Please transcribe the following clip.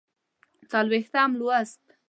څلوېښتم لوست